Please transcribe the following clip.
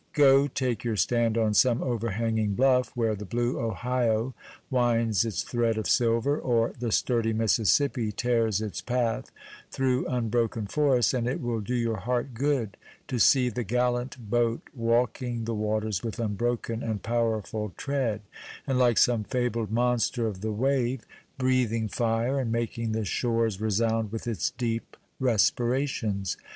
Go, take your stand on some overhanging bluff, where the blue Ohio winds its thread of silver, or the sturdy Mississippi tears its path through unbroken forests, and it will do your heart good to see the gallant boat walking the waters with unbroken and powerful tread; and, like some fabled monster of the wave, breathing fire, and making the shores resound with its deep respirations.